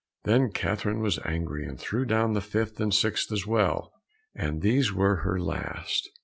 Then Catherine was angry, and threw down the fifth and sixth as well, and these were her last.